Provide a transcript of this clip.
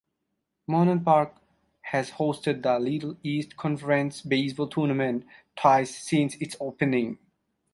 Monan Park has hosted the Little East Conference baseball tournament twice since its opening.